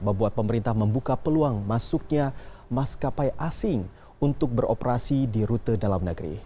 membuat pemerintah membuka peluang masuknya maskapai asing untuk beroperasi di rute dalam negeri